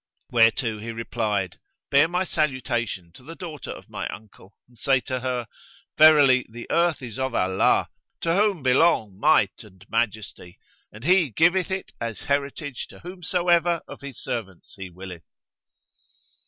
Whereto he replied, "Bear my salutation to the daughter of my uncle and say to her, 'Verily the earth is of Allah (to whom belong Might and Majesty!), and He giveth it as heritage to whomsoever of His servants He willeth.'